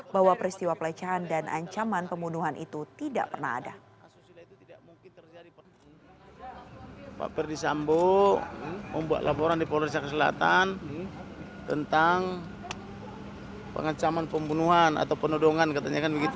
bahwa peristiwa pelecehan dan ancaman pembunuhan itu tidak pernah ada